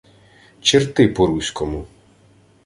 — Черти по-руському.